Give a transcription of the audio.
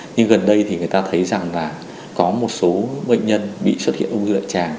nhưng gần đây thì người ta thấy rằng là có một số bệnh nhân bị xuất hiện ung thư đại tràng